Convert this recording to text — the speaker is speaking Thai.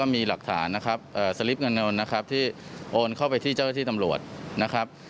มีหลักฐานนะครับสลิปเงินนะครับที่โอนเข้าไปที่เจ้าหน้าที่ตำรวจนะครับ